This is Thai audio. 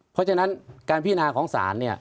เพราะฉะนั้นการพินาของศาลเนี่ย